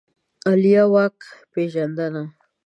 عالیه واک پېژندنه